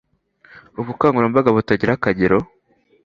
Ubukangurambaga butagira akagero